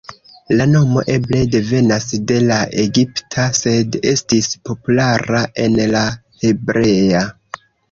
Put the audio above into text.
La nomo eble devenas de la egipta, sed estis populara en la hebrea.